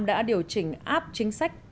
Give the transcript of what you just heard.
đã điều chỉnh áp chính sách